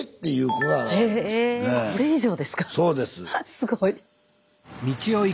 すごい。